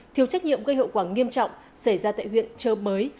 thiếu trách nhiệm gây hậu quả nghiêm trọng xảy ra tại huyện trợ mới